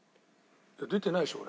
出てないでしょ俺。